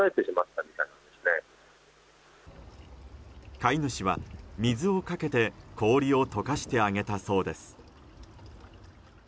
飼い主は水をかけて氷を溶かしてあげたそうです。